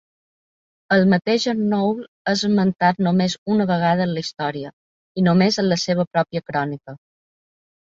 El mateix Ernoul és esmentat només una vegada en la història, i només en la seva pròpia crònica.